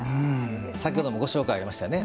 先ほどもご紹介ありましたね。